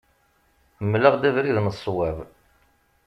Mel-aɣ-d abrid n ṣṣwab.